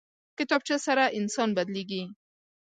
کتابچه سره انسان بدلېږي